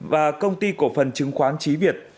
và công ty cổ phần chứng khoán chí việt